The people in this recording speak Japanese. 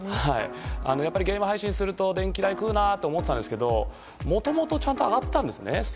やっぱりゲーム配信をすると電気代を食うなと思ってたんですけどもともと上がっていたんですね。